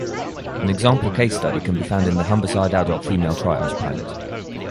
An example case study can be found in the Humberside Adult Female Triage pilot.